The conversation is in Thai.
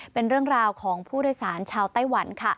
เป็นเรื่องราวของผู้โดยสารชาวไต้หวันค่ะ